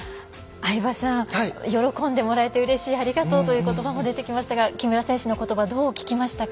相葉さん喜んでもらえてうれしいありがとうということばも出てきましたが木村選手のことばをどう聞きましたか。